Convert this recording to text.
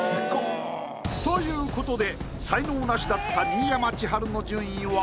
ということで才能ナシだった新山千春の順位は。